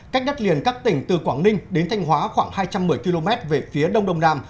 cách đất liền các tỉnh từ quảng ninh đến thanh hóa khoảng hai trăm một mươi km về phía đông đông nam